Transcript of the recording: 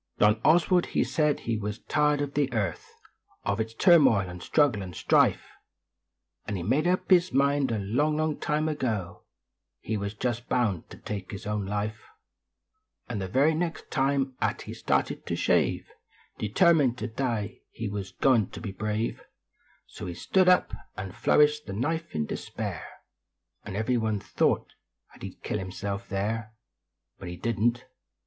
John Oswald he said he was tired of the earth Of its turmoil and struggle and strife Nd he made up his mind a long, long time ago He was just bound t take his own life ; Xd the very next time at he started to shave, Determined to die, he wus goin t be brave ; So he stood up nd flourished the knife in despair Xd every one thought at he d kill himself there Hut he didn t.